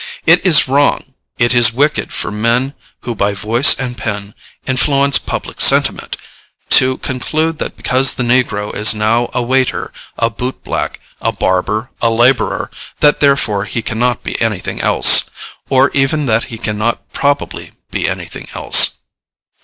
It is wrong, it is wicked for men who by voice and pen influence public sentiment, to conclude that because the negro is now a waiter, a boot black, a barber, a laborer, that therefore he cannot be anything else, or even that he cannot probably be anything else.